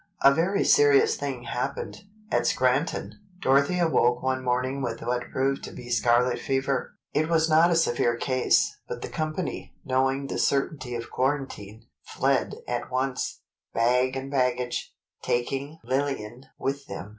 A very serious thing happened: At Scranton, Dorothy awoke one morning with what proved to be scarlet fever. It was not a severe case, but the company, knowing the certainty of quarantine, fled at once, bag and baggage, taking Lillian with them.